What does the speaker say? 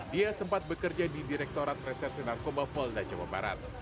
dia sempat bekerja di direktorat reserse narkoba polda jawa barat